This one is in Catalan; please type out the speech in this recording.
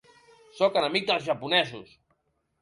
Sóc enemic dels japonesos.